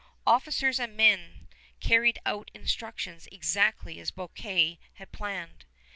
Officers and men carried out instructions exactly as Bouquet had planned.